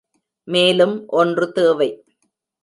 மேலும் ஒன்று தேவை.